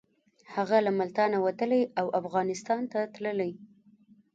هغه له ملتانه وتلی او افغانستان ته تللی.